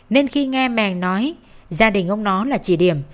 nên khi nghe màng nói gia đình ông đó là chỉ điểm